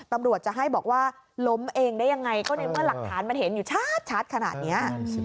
ตำรวจจะให้บอกว่าล้มเองได้ยังไงก็ในเมื่อหลักฐานมันเห็นอยู่ชัดขนาดนี้